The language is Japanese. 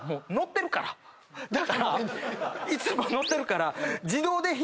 だからいつも乗ってるから。